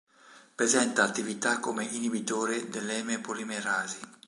Presenta attività come inibitore dell'eme-polimerasi.